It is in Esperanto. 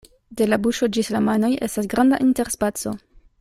De la buŝo ĝis la manoj estas granda interspaco.